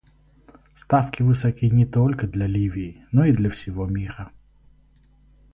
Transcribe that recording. Ставки высоки не только для Ливии, но и для всего мира.